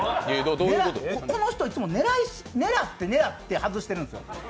この人いつも、狙って狙って外してるんですよ。